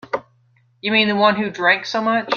You mean the one who drank so much?